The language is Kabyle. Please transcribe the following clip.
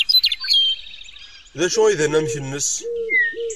D acu ay d anamek-nnes?